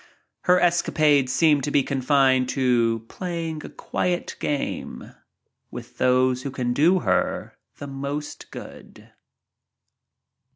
Her escapades seem to be confined to play ing" a quiet game with those who can do her the most good.